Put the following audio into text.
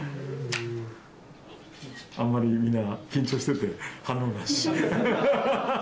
あんまりみんなが緊張してて反応なし。